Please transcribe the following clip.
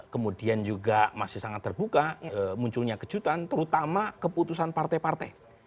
kemudian juga masih sangat terbuka munculnya kejutan terutama keputusan partai partai